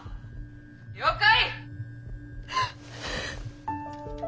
「了解！」。